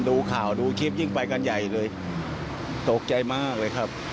ดูข่าวดูคลิปยิ่งไปกันใหญ่เลยตกใจมากเลยครับ